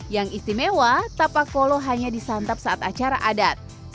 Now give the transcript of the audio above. yang istimewa tapak polo hanya disantap saat acara adat